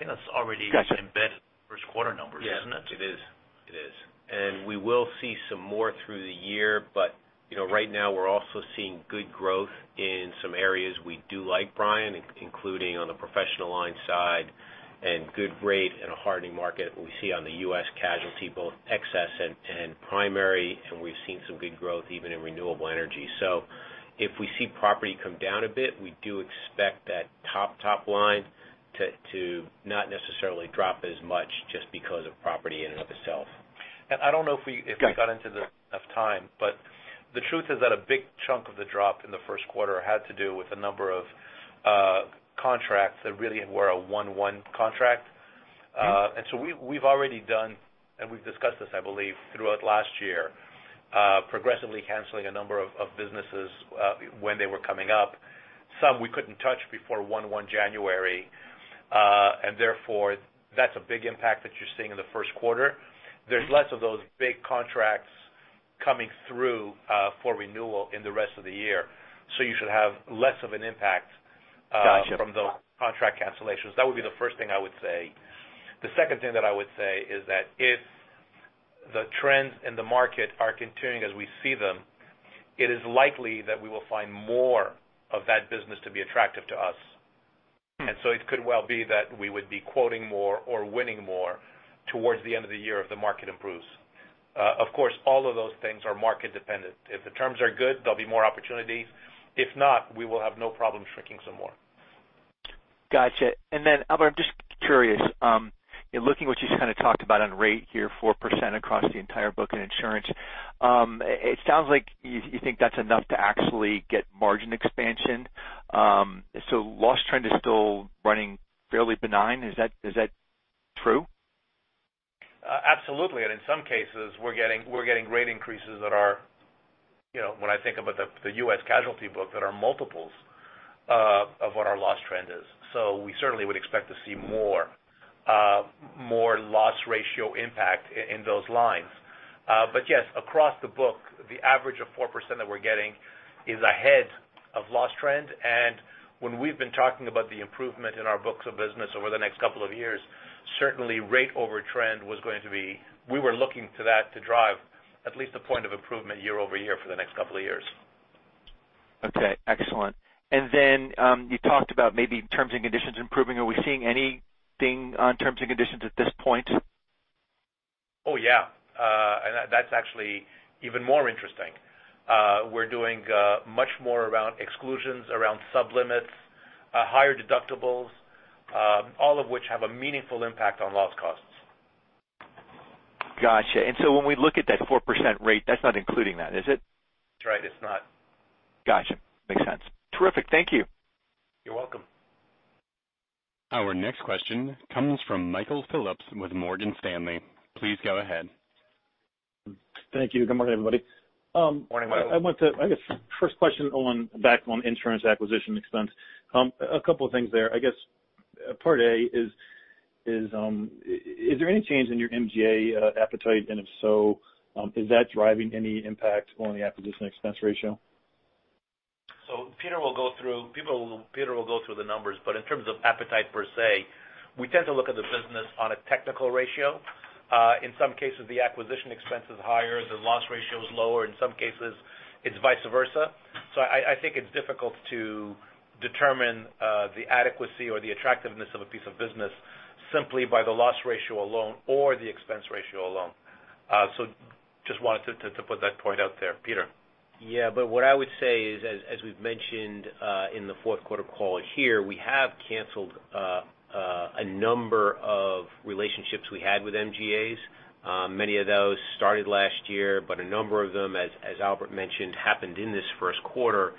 D: Got you embedded in first quarter numbers, isn't it? Yeah. It is. It is. We will see some more through the year, but right now we're also seeing good growth in some areas we do like, Brian, including on the professional line side and good rate in a hardening market we see on the U.S. casualty, both excess and primary, and we've seen some good growth even in renewable energy. If we see property come down a bit, we do expect that top line to not necessarily drop as much just because of property in and of itself. I don't know if we got into this-
J: Got you
D: enough time, The truth is that a big chunk of the drop in the first quarter had to do with a number of contracts that really were a one-one contract. We've already done, and we've discussed this, I believe, throughout last year, progressively canceling a number of businesses when they were coming up.
C: Some we couldn't touch before 1/1 January. That's a big impact that you're seeing in the first quarter. There's less of those big contracts coming through for renewal in the rest of the year. You should have less of an impact.
J: Got you.
C: from those contract cancellations. That would be the first thing I would say. The second thing that I would say is that if the trends in the market are continuing as we see them, it is likely that we will find more of that business to be attractive to us. It could well be that we would be quoting more or winning more towards the end of the year if the market improves. Of course, all of those things are market dependent. If the terms are good, there'll be more opportunities. If not, we will have no problem shrinking some more.
J: Got you. Albert, I'm just curious, in looking what you just kind of talked about on rate here, 4% across the entire book and insurance, it sounds like you think that's enough to actually get margin expansion. Loss trend is still running fairly benign. Is that true?
C: Absolutely. In some cases, we're getting rate increases that are, when I think about the U.S. casualty book, that are multiples of what our loss trend is. We certainly would expect to see more loss ratio impact in those lines. Yes, across the book, the average of 4% that we're getting is ahead of loss trend. When we've been talking about the improvement in our books of business over the next couple of years, certainly rate over trend was going to be, we were looking to that to drive at least a point of improvement year-over-year for the next couple of years.
J: Okay. Excellent. You talked about maybe terms and conditions improving. Are we seeing anything on terms and conditions at this point?
C: Oh, yeah. That's actually even more interesting. We're doing much more around exclusions, around sub-limits, higher deductibles, all of which have a meaningful impact on loss costs.
J: Got you. When we look at that 4% rate, that's not including that, is it?
C: That's right. It's not.
J: Got you. Makes sense. Terrific. Thank you.
C: You're welcome.
A: Our next question comes from Michael Phillips with Morgan Stanley. Please go ahead.
K: Thank you. Good morning, everybody.
C: Morning, Michael.
K: I guess first question back on insurance acquisition expense. A couple of things there. I guess part A is there any change in your MGA appetite? If so, is that driving any impact on the acquisition expense ratio?
C: Pete will go through the numbers, but in terms of appetite per se, we tend to look at the business on a technical ratio. In some cases, the acquisition expense is higher, the loss ratio is lower. In some cases, it's vice versa. I think it's difficult to determine the adequacy or the attractiveness of a piece of business simply by the loss ratio alone or the expense ratio alone. Just wanted to put that point out there. Pete.
D: What I would say is as we've mentioned in the fourth quarter call here, we have canceled a number of relationships we had with MGAs. Many of those started last year, but a number of them, as Albert mentioned, happened in this first quarter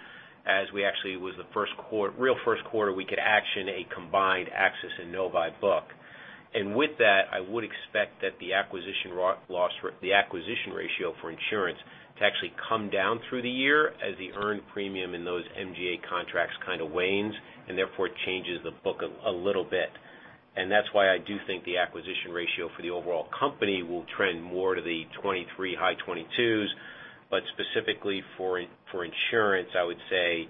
D: as we actually was the real first quarter we could action a combined AXIS and Novae book. With that, I would expect that the acquisition ratio for insurance to actually come down through the year as the earned premium in those MGA contracts kind of wanes, and therefore changes the book a little bit. That's why I do think the acquisition ratio for the overall company will trend more to the 23%, high 22%. Specifically for insurance, I would say,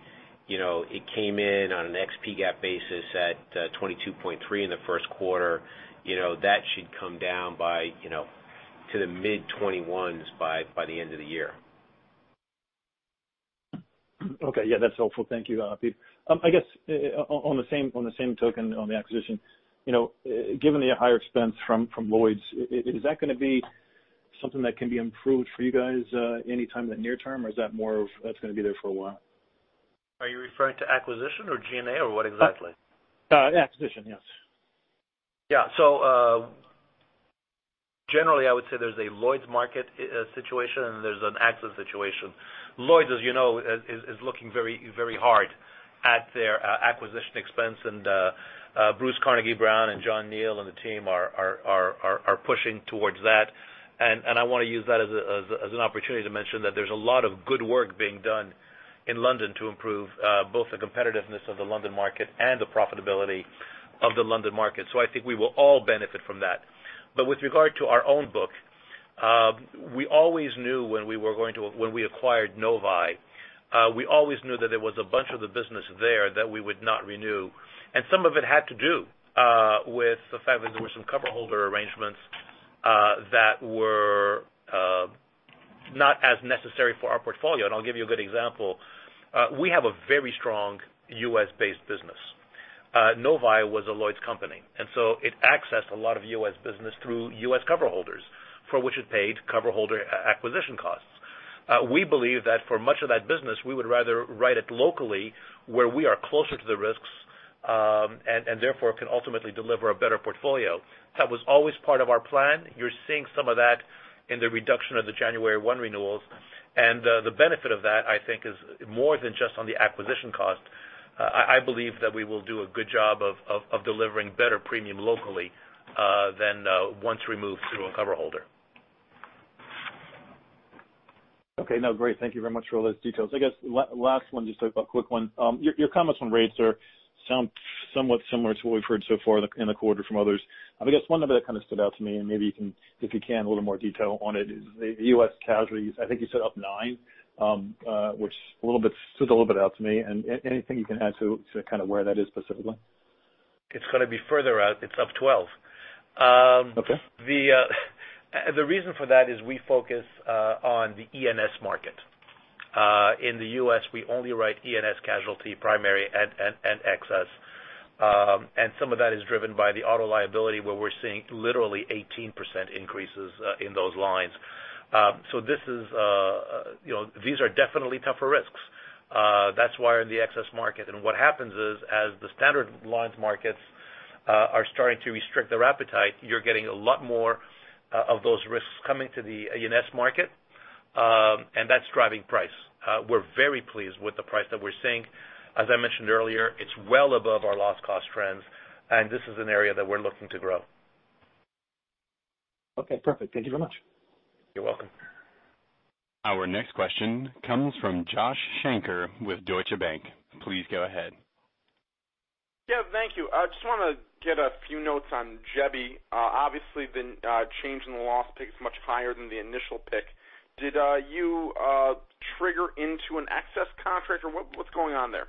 D: it came in on a PGAP basis at 22.3% in the first quarter. That should come down to the mid-21% by the end of the year.
K: Okay. Yeah, that's helpful. Thank you, Pete. I guess on the same token on the acquisition, given the higher expense from Lloyd's, is that going to be something that can be improved for you guys anytime in the near term, or is that more of that's going to be there for a while?
D: Are you referring to acquisition or GNA or what exactly?
K: Acquisition, yes.
C: Yeah. Generally, I would say there's a Lloyd's market situation and there's an AXIS situation. Lloyd's, as you know, is looking very hard at their acquisition expense. Bruce Carnegie-Brown and John Neal and the team are pushing towards that. I want to use that as an opportunity to mention that there's a lot of good work being done in London to improve both the competitiveness of the London market and the profitability of the London market. I think we will all benefit from that. With regard to our own book, we always knew when we acquired Novae, we always knew that there was a bunch of the business there that we would not renew. Some of it had to do with the fact that there were some cover holder arrangements that were not as necessary for our portfolio. I'll give you a good example. We have a very strong U.S.-based business. Novae was a Lloyd's company, so it accessed a lot of U.S. business through U.S. cover holders, for which it paid cover holder acquisition costs. We believe that for much of that business, we would rather write it locally where we are closer to the risks, therefore can ultimately deliver a better portfolio. That was always part of our plan. You're seeing some of that in the reduction of the January 1 renewals. The benefit of that, I think is more than just on the acquisition cost. I believe that we will do a good job of delivering better premium locally than once removed through a cover holder.
K: Okay. No, great. Thank you very much for all those details. I guess last one, just a quick one. Your comments on rates sound somewhat similar to what we've heard so far in the quarter from others. I guess one number that kind of stood out to me, maybe if you can, a little more detail on it, is the U.S. casualties, I think you said up 9, which stood a little bit out to me. Anything you can add to kind of where that is specifically?
C: It's going to be further out. It's up 12.
K: Okay.
C: The reason for that is we focus on the E&S market. In the U.S., we only write E&S casualty primary and excess. Some of that is driven by the auto liability, where we're seeing literally 18% increases in those lines. These are definitely tougher risks. That's why in the excess market. What happens is, as the standard lines markets are starting to restrict their appetite, you're getting a lot more of those risks coming to the E&S market, that's driving price. We're very pleased with the price that we're seeing. As I mentioned earlier, it's well above our loss cost trends, this is an area that we're looking to grow.
K: Okay, perfect. Thank you very much.
C: You're welcome.
A: Our next question comes from Josh Shanker with Deutsche Bank. Please go ahead.
L: Yeah, thank you. I just want to get a few notes on Jebi. Obviously, the change in the loss pick is much higher than the initial pick. Did you trigger into an excess contract or what's going on there?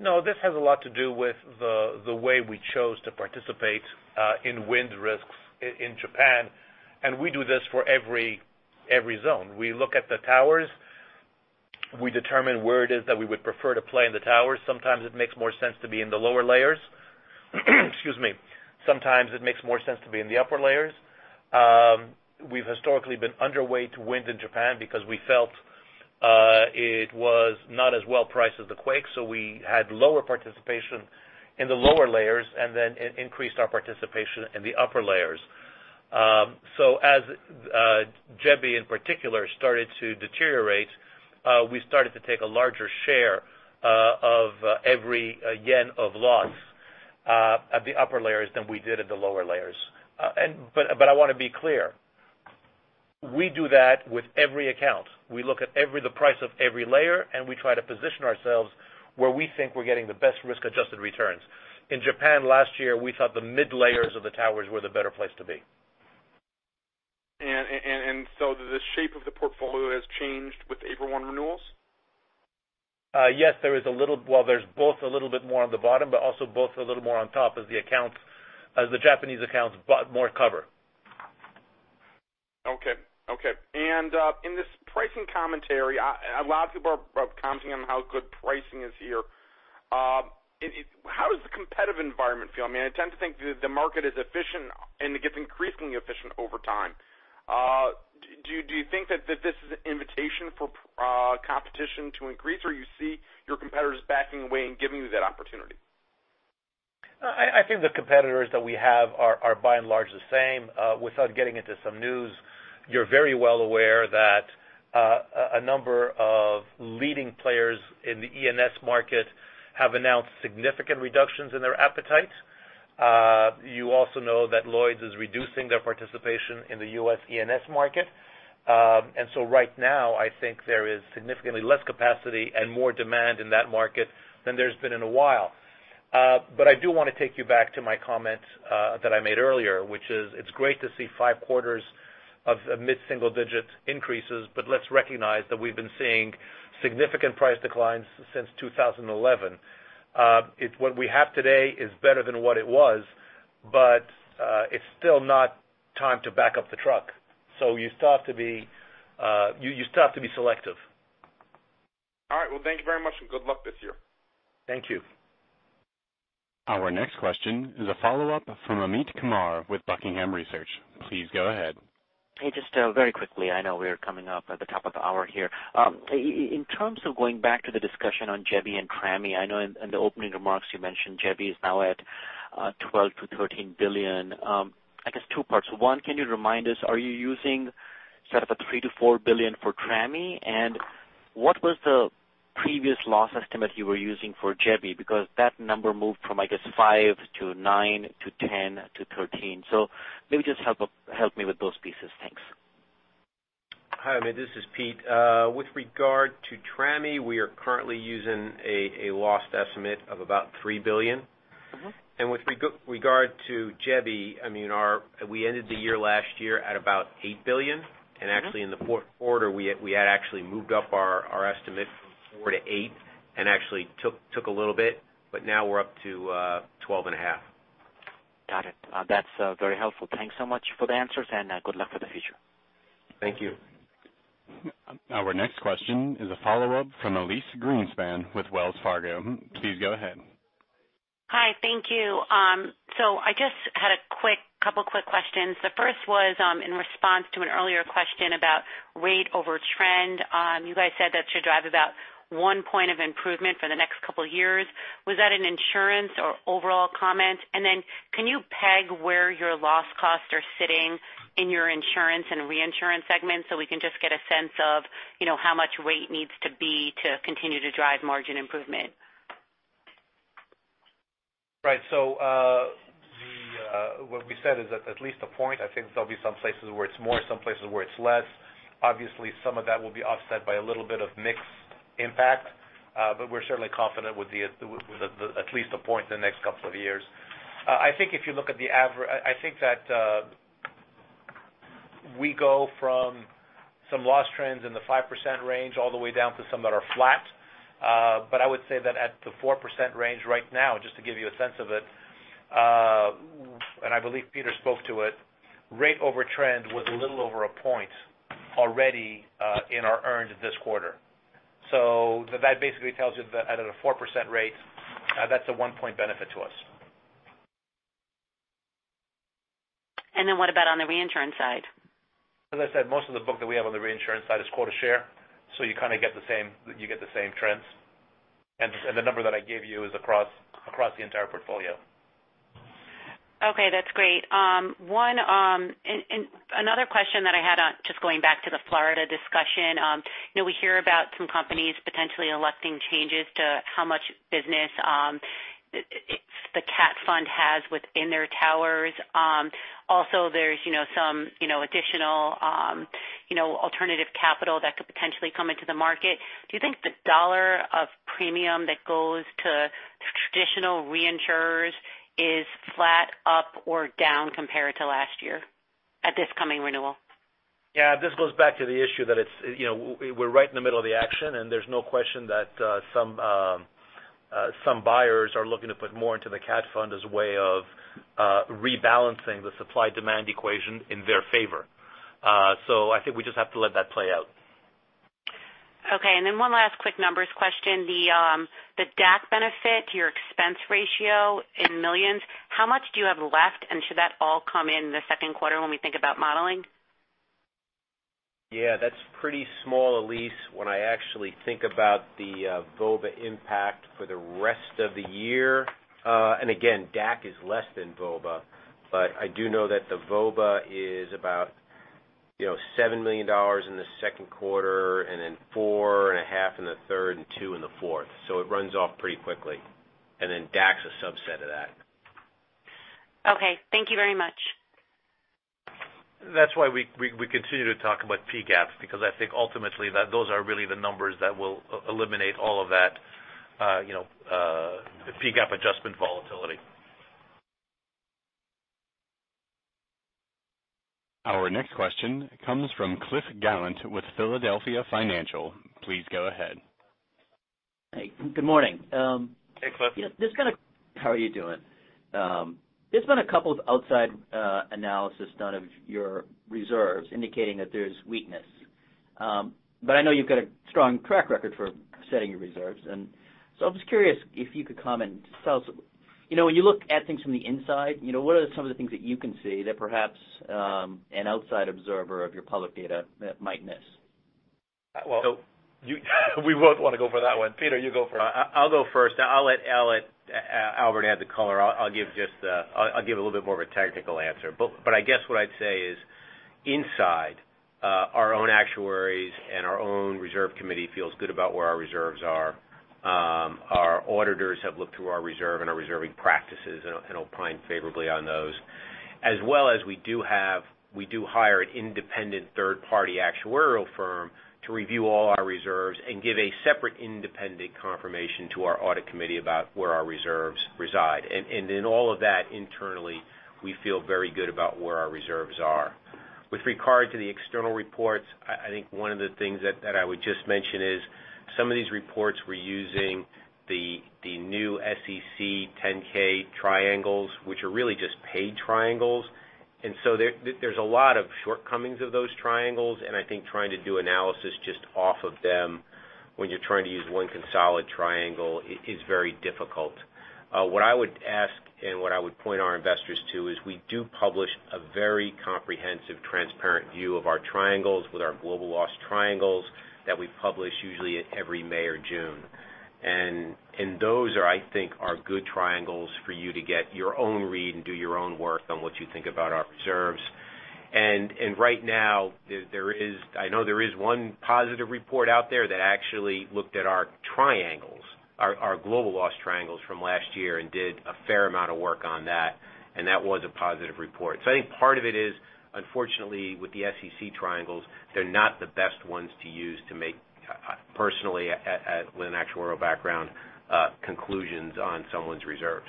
C: No, this has a lot to do with the way we chose to participate in wind risks in Japan, and we do this for every zone. We look at the towers, we determine where it is that we would prefer to play in the towers. Sometimes it makes more sense to be in the lower layers. Excuse me. Sometimes it makes more sense to be in the upper layers. We've historically been underweight wind in Japan because we felt it was not as well priced as the quake, so we had lower participation in the lower layers and then increased our participation in the upper layers. As Jebi in particular started to deteriorate, we started to take a larger share of every yen of loss at the upper layers than we did at the lower layers. I want to be clear, we do that with every account. We look at the price of every layer, we try to position ourselves where we think we're getting the best risk-adjusted returns. In Japan last year, we thought the mid layers of the towers were the better place to be.
L: The shape of the portfolio has changed with April one renewals?
C: Yes. There's both a little bit more on the bottom, also both a little more on top as the Japanese accounts bought more cover.
L: Okay. In this pricing commentary, lots of people are commenting on how good pricing is here. How does the competitive environment feel? I tend to think the market is efficient and it gets increasingly efficient over time. Do you think that this is an invitation for competition to increase, or you see your competitors backing away and giving you that opportunity?
C: I think the competitors that we have are by and large the same. Without getting into some news, you're very well aware that a number of leading players in the E&S market have announced significant reductions in their appetite. You also know that Lloyd's is reducing their participation in the U.S. E&S market. Right now, I think there is significantly less capacity and more demand in that market than there's been in a while. I do want to take you back to my comment that I made earlier, which is, it's great to see five quarters of mid-single-digit increases, but let's recognize that we've been seeing significant price declines since 2011. What we have today is better than what it was, but it's still not time to back up the truck. You still have to be selective.
L: All right. Well, thank you very much and good luck this year.
C: Thank you.
A: Our next question is a follow-up from Amit Kumar with Buckingham Research. Please go ahead.
E: Hey, just very quickly, I know we are coming up at the top of the hour here. In terms of going back to the discussion on Jebi and Trami, I know in the opening remarks you mentioned Jebi is now at $12 billion-$13 billion. I guess two parts. One, can you remind us, are you using sort of a $3 billion-$4 billion for Trami? What was the previous loss estimate you were using for Jebi? Because that number moved from, I guess, $5 billion to $9 billion to $10 billion to $13 billion. Maybe just help me with those pieces. Thanks.
D: Hi, Amit, this is Pete. With regard to Trami, we are currently using a loss estimate of about $3 billion. With regard to Jebi, we ended the year last year at about $8 billion. Actually in the fourth quarter, we had actually moved up our estimate from four to eight and actually took a little bit, but now we're up to 12.5.
E: Got it. That's very helpful. Thanks so much for the answers, and good luck for the future.
D: Thank you.
A: Our next question is a follow-up from Elyse Greenspan with Wells Fargo. Please go ahead.
F: Hi. Thank you. I just had a couple quick questions. The first was in response to an earlier question about rate over trend. You guys said that should drive about one point of improvement for the next couple of years. Was that an insurance or overall comment? Can you peg where your loss costs are sitting in your insurance and reinsurance segments, so we can just get a sense of how much rate needs to be to continue to drive margin improvement?
C: What we said is that at least a point. I think there'll be some places where it's more, some places where it's less. Obviously, some of that will be offset by a little bit of mix impact. We're certainly confident with at least a point in the next couple of years. I think if you look at the average, I think that we go from some loss trends in the 5% range all the way down to some that are flat. I would say that at the 4% range right now, just to give you a sense of it, and I believe Pete spoke to it, rate over trend was a little over a point already in our earned this quarter. That basically tells you that at a 4% rate, that's a one point benefit to us.
F: What about on the reinsurance side?
C: As I said, most of the book that we have on the reinsurance side is quota share, so you kind of get the same trends. The number that I gave you is across the entire portfolio.
F: Okay, that's great. One, another question that I had on just going back to the Florida discussion. We hear about some companies potentially electing changes to how much business the CAT fund has within their towers. Also, there's some additional alternative capital that could potentially come into the market. Do you think the $ of premium that goes to traditional reinsurers is flat, up or down compared to last year at this coming renewal?
C: Yeah. This goes back to the issue that we're right in the middle of the action, there's no question that some buyers are looking to put more into the CAT fund as a way of rebalancing the supply-demand equation in their favor. I think we just have to let that play out.
F: Okay, one last quick numbers question. The DAC benefit to your expense ratio in $ millions, how much do you have left? Should that all come in the second quarter when we think about modeling?
D: Yeah, that's pretty small, Elyse, when I actually think about the VOBA impact for the rest of the year. Again, DAC is less than VOBA, I do know that the VOBA is about $7 million in the second quarter, $four and a half in the third, $two in the fourth. It runs off pretty quickly. DAC's a subset of that.
F: Okay. Thank you very much.
C: That's why we continue to talk about PGAP, because I think ultimately that those are really the numbers that will eliminate all of that PGAP adjustment volatility.
A: Our next question comes from Cliff Gallant with Philadelphia Financial. Please go ahead.
M: Hey, good morning.
C: Hey, Cliff.
M: How are you doing? There's been a couple of outside analysis done of your reserves indicating that there's weakness. I know you've got a strong track record for setting your reserves, I'm just curious if you could comment. When you look at things from the inside, what are some of the things that you can see that perhaps an outside observer of your public data might miss?
C: Well, we both want to go for that one. Pete, you go for it.
D: I'll go first. I'll let Albert add the color. I'll give a little bit more of a technical answer. I guess what I'd say is inside, our own actuaries and our own reserve committee feels good about where our reserves are. Our auditors have looked through our reserve and our reserving practices and opine favorably on those. As well as we do hire an independent third-party actuarial firm to review all our reserves and give a separate independent confirmation to our audit committee about where our reserves reside. In all of that internally, we feel very good about where our reserves are. With regard to the external reports, I think one of the things that I would just mention is some of these reports were using the new SEC 10-K triangles, which are really just paid triangles. There's a lot of shortcomings of those triangles, and I think trying to do analysis just off of them when you're trying to use one consolidated triangle is very difficult. What I would ask and what I would point our investors to is we do publish a very comprehensive, transparent view of our triangles with our global loss triangles that we publish usually at every May or June. Those are, I think, are good triangles for you to get your own read and do your own work on what you think about our reserves. Right now, I know there is one positive report out there that actually looked at our triangles, our global loss triangles from last year and did a fair amount of work on that, and that was a positive report. I think part of it is, unfortunately, with the SEC triangles, they're not the best ones to use to make, personally with an actuarial background, conclusions on someone's reserves.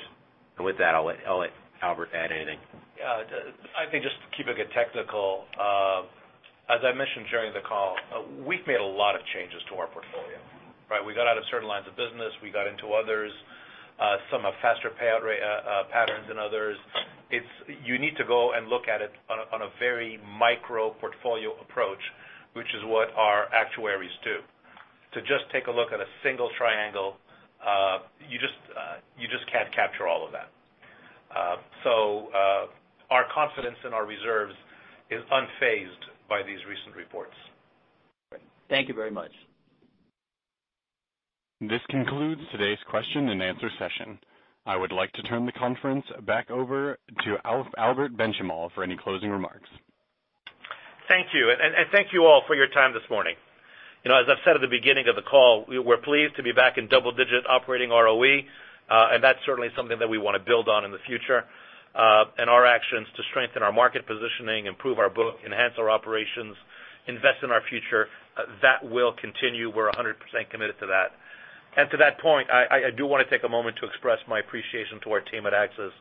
D: With that, I'll let Albert add anything.
C: Yeah. I think just to keep it technical, as I mentioned during the call, we've made a lot of changes to our portfolio, right? We got out of certain lines of business. We got into others. Some have faster payout patterns than others. You need to go and look at it on a very micro portfolio approach, which is what our actuaries do. To just take a look at a single triangle, you just can't capture all of that. Our confidence in our reserves is unfazed by these recent reports.
M: Thank you very much.
A: This concludes today's question and answer session. I would like to turn the conference back over to Albert Benchimol for any closing remarks.
C: Thank you. Thank you all for your time this morning. As I've said at the beginning of the call, we're pleased to be back in double-digit operating ROE. That's certainly something that we want to build on in the future. Our actions to strengthen our market positioning, improve our book, enhance our operations, invest in our future, that will continue. We're 100% committed to that. To that point, I do want to take a moment to express my appreciation to our team at AXIS.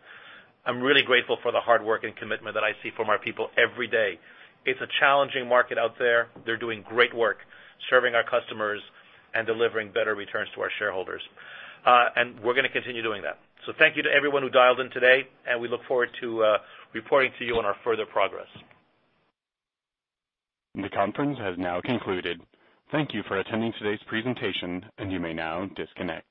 C: I'm really grateful for the hard work and commitment that I see from our people every day. It's a challenging market out there. They're doing great work serving our customers and delivering better returns to our shareholders. We're going to continue doing that. Thank you to everyone who dialed in today, and we look forward to reporting to you on our further progress.
A: The conference has now concluded. Thank you for attending today's presentation, and you may now disconnect.